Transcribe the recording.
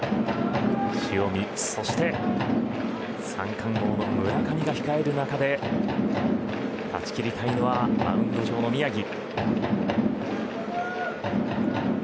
塩見、そして三冠王の村上が控える中で断ち切りたいのはマウンド上の宮城。